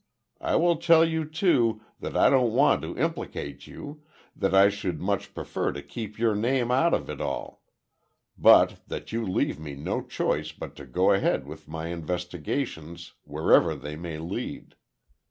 I will tell you, too, that I don't want to implicate you, that I should much prefer to keep your name out of it all, but that you leave me no choice but to go ahead with my investigations wherever they may lead.